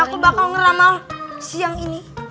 aku bakal ngeramal siang ini